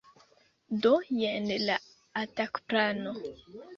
Do, jen la atak-plano